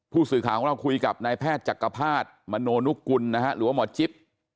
ผู้สื่อข่าวของเราคุยกับนายแพทย์จักรภาษณ์มโนนุกุลนะฮะหรือว่าหมอจิ๊บ